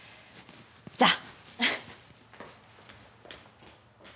じゃあ！